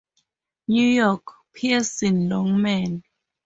New York: Pearson Longman.